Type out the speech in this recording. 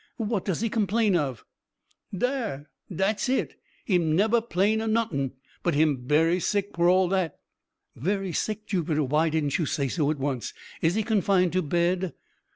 What does he complain of?" "Dar! dat's it! him neber 'plain of notin' but him berry sick for all dat." "Very sick, Jupiter! why didn't you say so at once? Is he confined to bed?"